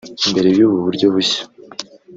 Mbere y’ubu buryo bushya